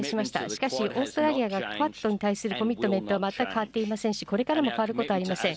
しかしオーストラリアがクアッドに対するコミットメントは全く変わっていませんし、これからも変わることはありません。